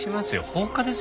放火ですよ？